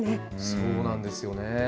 そうなんですよね。